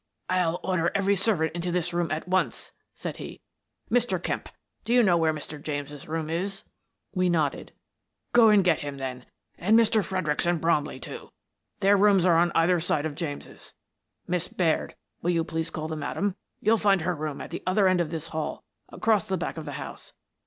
" I'll order every servant into this room at once," said he. " Mr. Kemp, do you know where Mr. James's room is?" We nodded. " Go and get him, then, and Mr. Fredericks and Bromley, too. Their rooms are am either side of James's. Miss Baird, will you please call the madam? You'll find her rooms at the other end of this hall, across the back of the house.